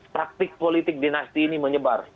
praktik politik dinasti ini menyebar